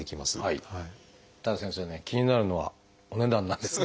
ただ先生ね気になるのはお値段なんですが。